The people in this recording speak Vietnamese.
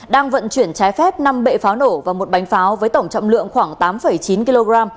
đang vận chuyển trái phép năm bệ pháo nổ và một bánh pháo với tổng trọng lượng khoảng tám chín kg